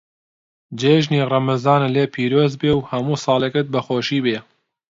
جێژنی ڕەمەزانت لێ پیرۆز بێ و هەموو ساڵێکت بە خۆشی بێ.